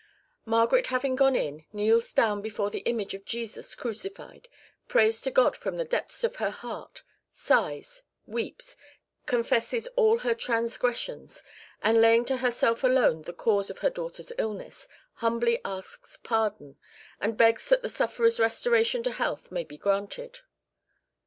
Margaret having gone in, kneels down before the image of Jesus crucified, prays to God from the depths of her heart, sighs, weeps, confesses all her transgressions, and laying to herself alone the cause of her daughter's illness, humbly asks pardon, and begs that the sufferer's restoration to health may be granted.